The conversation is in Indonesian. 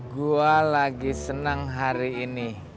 gue lagi senang hari ini